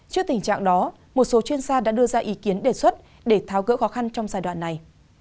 trước tình trạng đó một số chuyên gia đã đưa ra ý kiến đề xuất để tháo gỡ khó khăn trong giai đoạn này